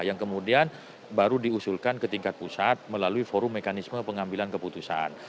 yang kemudian baru diusulkan ke tingkat pusat melalui forum mekanisme pengambilan keputusan